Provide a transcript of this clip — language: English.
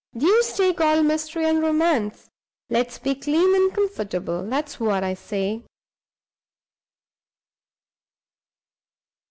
"Deuce take all mystery and romance! Let's be clean and comfortable, that's what I say."